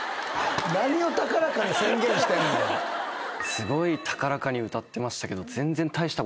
すごい高らかに歌ってましたけど。